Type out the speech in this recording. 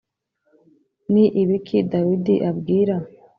Ni ibiki dawidi abwira